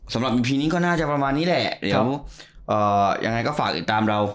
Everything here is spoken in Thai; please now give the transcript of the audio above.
อีพีนี้ก็น่าจะประมาณนี้แหละเดี๋ยวยังไงก็ฝากติดตามเรา